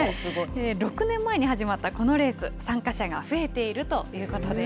６年前に始まったこのレース、参加者が増えているということです。